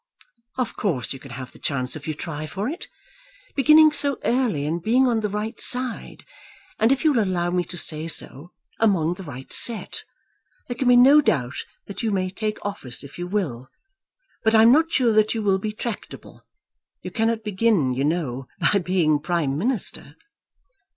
"Of course you can have the chance if you try for it. Beginning so early, and being on the right side, and, if you will allow me to say so, among the right set, there can be no doubt that you may take office if you will. But I am not sure that you will be tractable. You cannot begin, you know, by being Prime Minister."